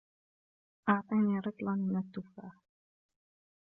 أعطني رطلا من التفاح.